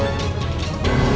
aku mau ke rumah